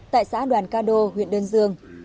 tại xã đoàn ca đô huyện đân dương